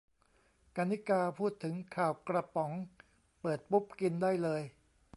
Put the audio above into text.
กรรณิการ์ พูดถึง "ข่าวกระป๋อง" เปิดปุ๊บ กินได้เลย